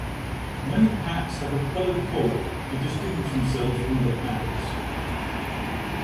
Many packs have a coloured collar to distinguish themselves from other packs.